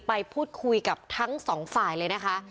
ไปพูดคุยกับทั้งสองฝ่ายเลยนะคะ